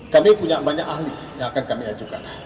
kami punya banyak ahli yang akan kami ajukan